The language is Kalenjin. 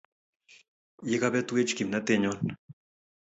Ye kabetwech kimnatennyo